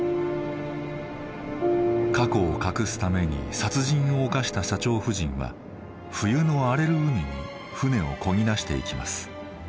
過去を隠すために殺人を犯した社長夫人は冬の荒れる海に舟をこぎ出していきます。